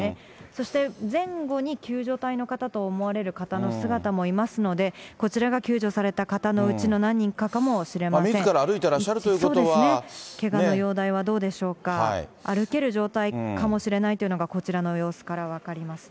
そして前後に救助隊の方と思われる方の姿もいますので、こちらが救助された方のうちの何人かかもみずから歩いてらっしゃるとけがの容体はどうでしょうか、歩ける状態かもしれないというのが、こちらの様子から分かりますね。